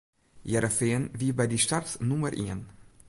Hearrenfean wie by dy start nûmer ien.